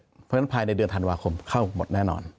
เพราะฉะนั้นภายในเดือนธันวาคมเข้าหมดแน่นอน